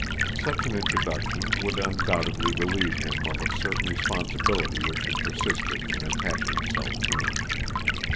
Such an introduction would undoubtedly relieve him of a certain responsibility which had persisted in attaching itself to him.